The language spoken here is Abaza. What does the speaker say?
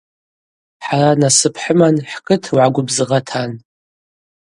Хӏара насып хӏыман, хӏкыт угӏа гвыбзыгъа тан.